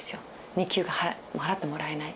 日給が払ってもらえない。